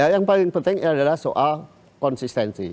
yang paling penting adalah soal konsistensi